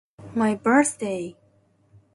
My birthday.